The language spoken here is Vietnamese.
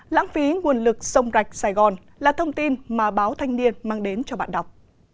lãng phí nguồn lực sông rạch sài gòn là thông tin mà báo thanh niên mang đến cho bạn đọc